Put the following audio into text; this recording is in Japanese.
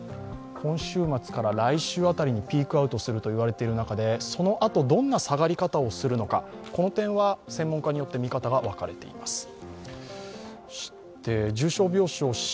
今週末から来週辺りにピークアウトすると言われている現状でそのあとどんな下がり方をするのかこの点は専門家によって見方が分かれています。